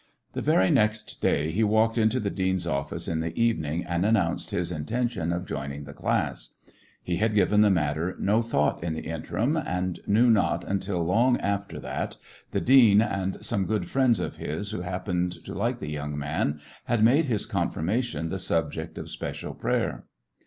The very next day he walked into the dean's office in the evening and announced his intention of joining the class. He had given the matter no thought in the interim, and knew not until long after that the dean, and some good friends of his who happened to like the young man, had made his confirma tion the subject of special prayer.